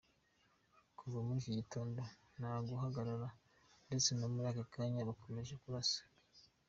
Kuva muri iki gitondo, nta guhagarara; ndetse no muri aka kanya bakomeje kurasa.